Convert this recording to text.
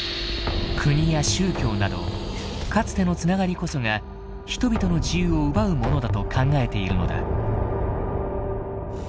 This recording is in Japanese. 国や宗教などかつての繋がりこそが人々の自由を奪うものだと考えているのだ。